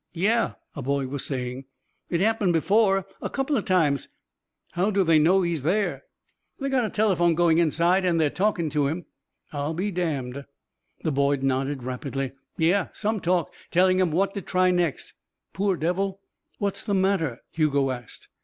"Yeah," a boy was saying, "it's happened before. A couple o' times." "How do they know he's there?" "They got a telephone goin' inside and they're talkin' to him." "I'll be damned." The boy nodded rapidly. "Yeah some talk! Tellin' him what to try next." "Poor devil!" "What's the matter?" Hugo asked.